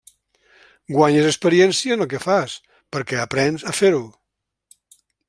Guanyes experiència en el que fas, perquè aprens a fer-ho.